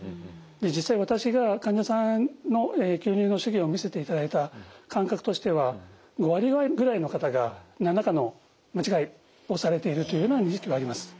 実際私が患者さんの吸入の手技を見せていただいた感覚としては５割ぐらいの方が何らかの間違いをされているというような認識はあります。